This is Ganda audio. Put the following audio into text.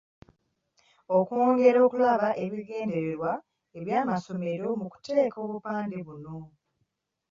Okwongera okulaba ebigendererwa by’amasomero mu kuteeka obupande buno.